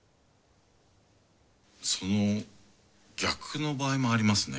その逆の場合もありますね。